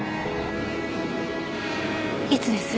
いつです？